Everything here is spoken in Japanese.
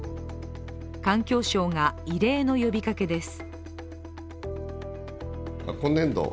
環境省が異例の呼びかけです。